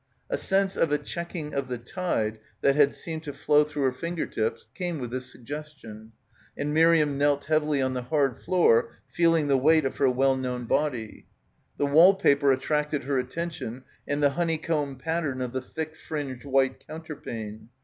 A sense of a checking of the tide that had seemed to flow through her finger dps came with this suggestion, and Miriam knelt heavily on the hard floor, feeling the weigjht of her well known body. The wall paper attracted her attention and the honeycomb pattern of the thick fringed white counterpane.